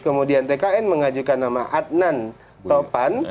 kemudian tkn mengajukan nama adnan topan